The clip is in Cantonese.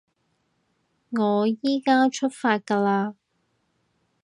我依加出發㗎喇